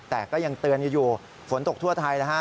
แต่ก็ยังเตือนอยู่ฝนตกทั่วไทยนะฮะ